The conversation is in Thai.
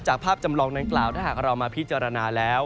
ภาพจำลองดังกล่าวถ้าหากเรามาพิจารณาแล้ว